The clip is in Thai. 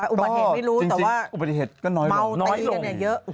อุบัติเหตุไม่รู้แต่ว่าเมาตีกันเยอะ